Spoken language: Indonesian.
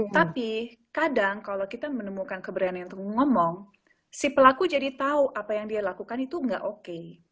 tapi kadang kalau kita menemukan keberanian untuk ngomong si pelaku jadi tahu apa yang dia lakukan itu nggak oke